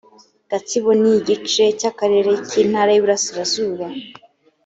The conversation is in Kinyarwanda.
gatsibo n’igice cy’akarere k’intara y’uburasirazuba